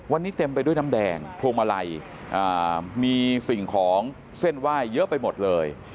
วันนี้เต็มไปด้วยน้ำแดงพวงมาลัยมีสิ่งของเส้นไหว้เยอะไปหมดเลย